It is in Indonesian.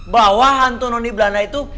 bahwa hantu noni belanda itu